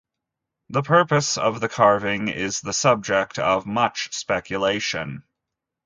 The purpose of the carving is the subject of much speculation.